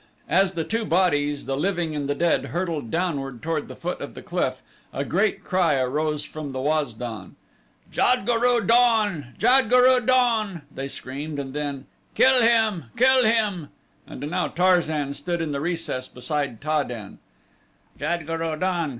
As the two bodies, the living and the dead, hurtled downward toward the foot of the cliff a great cry arose from the Waz don. "Jad guru don! Jad guru don!" they screamed, and then: "Kill him! Kill him!" And now Tarzan stood in the recess beside Ta den. "Jad guru don!"